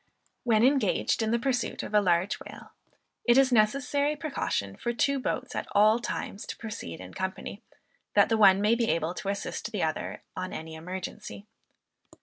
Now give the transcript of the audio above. When engaged in the pursuit of a large whale, it is a necessary precaution for two boats at all times to proceed in company, that the one may be able to assist the other, on any emergency.